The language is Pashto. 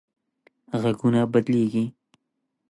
غږونه بدلېږي